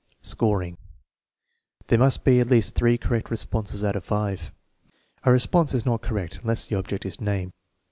Scoring. There must be at least three correct responses out of five. A response is not correct unless the object is named.